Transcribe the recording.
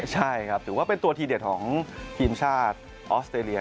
ใช่ครับถือว่าเป็นตัวทีเด็ดของทีมชาติออสเตรเลีย